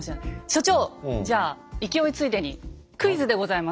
所長じゃあ勢いついでにクイズでございます。